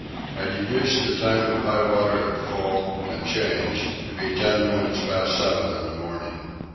I deduce the time of high water at full and change to be ten minutes past seven in the morning.